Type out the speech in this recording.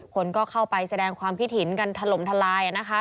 คนก็เข้าไปแสดงความคิดเห็นกันถล่มทลายนะคะ